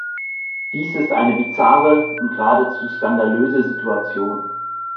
Dies ist eine bizarre und geradezu skandalöse Situation.